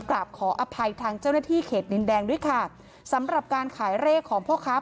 กราบขออภัยทางเจ้าหน้าที่เขตดินแดงด้วยค่ะสำหรับการขายเลขของพ่อค้า